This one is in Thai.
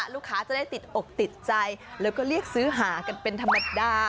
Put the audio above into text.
ลูกค้าจะได้ติดอกติดใจแล้วก็เรียกซื้อหากันเป็นธรรมดา